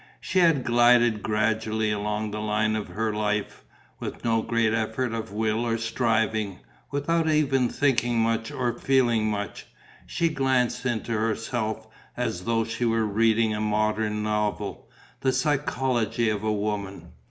She had glided gradually along the line of her life, with no great effort of will or striving, without even thinking much or feeling much.... She glanced into herself, as though she were reading a modern novel, the psychology of a woman.